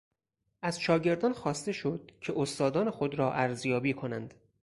از شاگردان خواسته شد که استادان خود را ارزیابی کنند.